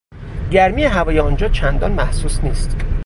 گرمی هوای آنجا چندان محسوس نیست